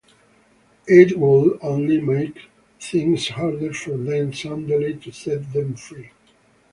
It would only make things harder for them, suddenly to set them free.